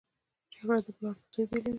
جګړه د پلار نه زوی بېلوي